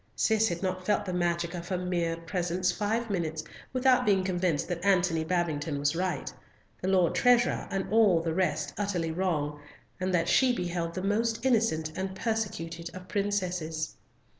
Cis had not felt the magic of her mere presence five minutes without being convinced that Antony Babington was right; the Lord Treasurer and all the rest utterly wrong, and that she beheld the most innocent and persecuted of princesses.